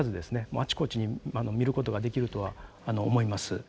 あちこちに見ることができるとは思います。